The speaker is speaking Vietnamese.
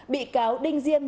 bị cáo đinh diên